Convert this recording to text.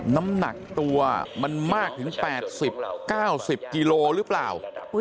น้ำหนักตัวมันมากถึง๘๐๙๐กิโลหรือเปล่า